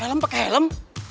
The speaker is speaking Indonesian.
dalem pakai helm